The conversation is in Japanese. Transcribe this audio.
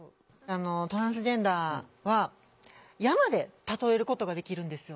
トランスジェンダーは山で例えることができるんですよ。